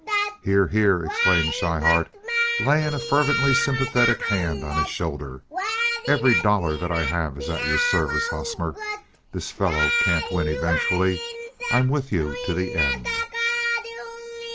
"Hear, hear!" exclaimed Schryhart, laying a fervently sympathetic hand on his shoulder. "Every dollar that I have is at your service, Hosmer. This fellow can't win eventually. I'm with you to the end."